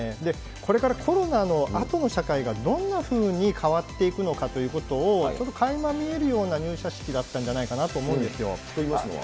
これからコロナのあとの社会がどんなふうに変わっていくのかということを、ちょっとかいま見えるような入社式だったんじゃなといいますのは？